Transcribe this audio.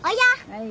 はい。